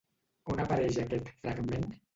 On apareix aquest fragment?